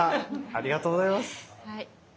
ありがとうございます。